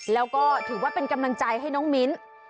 แล้วก็ถือว่าเป็นกำลังใจให้น้องมิ้น